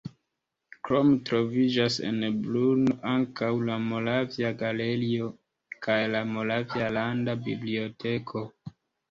Krome troviĝas en Brno ankaŭ la Moravia galerio kaj la Moravia landa biblioteko.